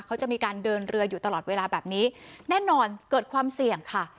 เขาจะมีการเดินเรืออยู่ตลอดเวลาแบบนี้แน่นอนเกิดความเสี่ยงค่ะ